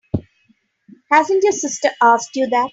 Hasn't your sister asked you that?